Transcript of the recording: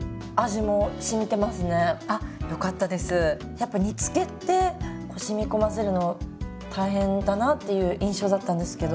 やっぱ煮つけってしみこませるの大変だなという印象だったんですけど。